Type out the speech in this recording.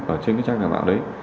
ở trên cái trang giả mạo đấy